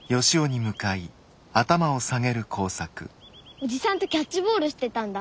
おじさんとキャッチボールしてたんだ。